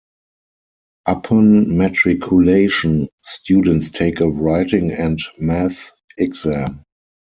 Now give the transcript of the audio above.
Upon matriculation, students take a writing and math exam.